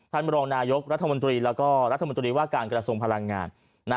บรองนายกรัฐมนตรีแล้วก็รัฐมนตรีว่าการกระทรวงพลังงาน